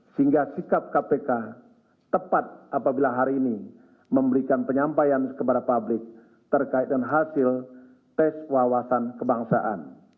sehingga sikap kpk tepat apabila hari ini memberikan penyampaian kepada publik terkait dengan hasil tes wawasan kebangsaan